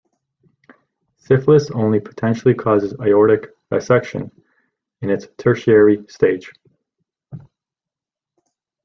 Syphilis only potentially causes aortic dissection in its tertiary stage.